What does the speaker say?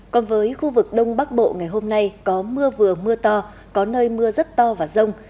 còn với khu vực đông bắc bộ ngày hôm nay có mưa vừa mưa to có nơi mưa rất to và rông